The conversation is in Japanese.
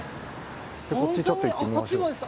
こっちちょっと行ってみましょう。